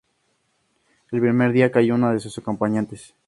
El primer día, cayó uno de sus acompañantes.